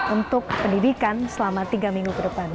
untuk pendidikan selama tiga minggu ke depan